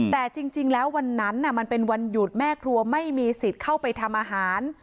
แต่จริงแล้ววันนั้นมันเป็นวันหยุดแม่ครัวไม่มีสิทธิ์เข้าไปทำอาหาร